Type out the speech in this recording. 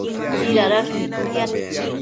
tsidadash nidtiad